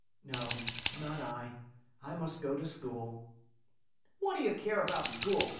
"No, not I. I must go to school." "What do you care about school?